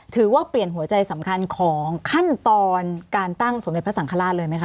ถือว่าเปลี่ยนหัวใจสำคัญของขั้นตอนการตั้งสมเด็จพระสังฆราชเลยไหมค